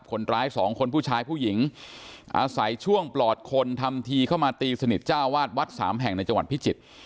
คนร้ายสองคนผู้ชายผู้หญิงอาศัยช่วงปลอดคนทำทีเข้ามาตีสนิทจ้าวาดวัดสามแห่งในจังหวัดพิจิตร